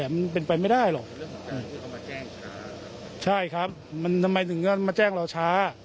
มันเป็นไปไม่ได้หรอกใช่ครับมันทำไมถึงก็มาแจ้งเราช้า